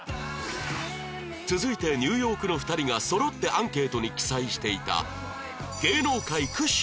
続いてニューヨークの２人がそろってアンケートに記載していた